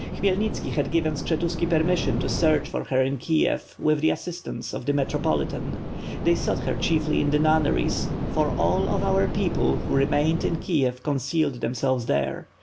Khmyelnitski had given Skshetuski permission to search for her in Kiev, with the assistance of the Metropolitan. They sought her chiefly in the nunneries, for all of our people who remained in Kiev concealed themselves there.